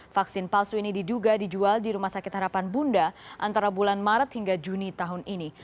vaksin palsu ini diduga dijual di rumah sakit harapan bunda antara bulan maret hingga juni tahun ini